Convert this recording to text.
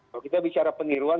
kalau kita bicara peniruan